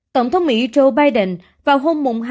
tổng thống mỹ joe biden vào hôm mùng hai